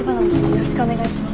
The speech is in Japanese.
よろしくお願いします。